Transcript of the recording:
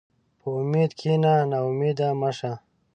په امید کښېنه، ناامیده مه شه.